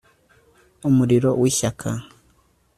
Umuriro wishyaka